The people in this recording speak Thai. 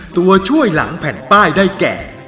ตัวช่วยหลังแผ่นป้ายได้แก่